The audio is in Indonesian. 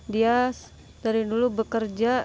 dia dari dulu bekerja